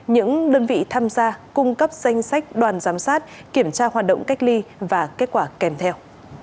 những đơn vị tham gia cung cấp danh sách đoàn giám sát kiểm tra hoạt động cách ly và kết quả kèm theo